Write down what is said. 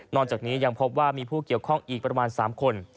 จากนี้ยังพบว่ามีผู้เกี่ยวข้องอีกประมาณ๓คน